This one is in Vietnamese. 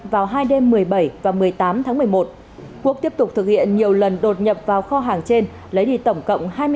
một mươi bảy và một mươi tám tháng một mươi một quốc tiếp tục thực hiện nhiều lần đột nhập vào kho hàng trên lấy đi tổng cộng